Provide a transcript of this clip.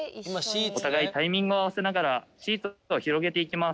お互いタイミングを合わせながらシーツを広げていきます。